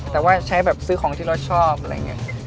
แต่ว่าใช้แบบซื้อของที่เราชอบอะไรอย่างนี้